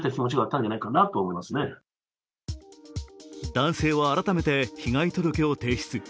男性は改めて被害届を提出。